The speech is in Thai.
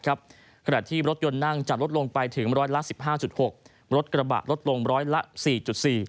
ขณะที่รถยนต์นั่งจัดลดลงไปถึงรสละ๑๕๖บาทรถกระบะลดลงรสละ๔๔บาท